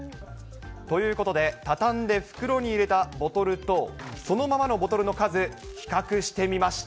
ということで、畳んで袋に入れたボトルと、そのままのボトルの数、比較してみました。